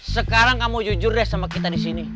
sekarang kamu jujur deh sama kita di sini